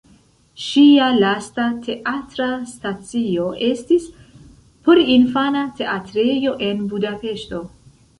Ŝia lasta teatra stacio estis porinfana teatrejo en Budapeŝto.